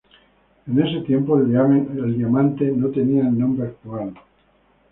En ese tiempo el diamante no tenía el nombre actual.